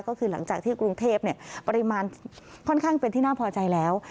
ก็คือหลังจากที่กรุงเทพปริมาณค่อนข้างเป็นที่น่าพอใจแล้ว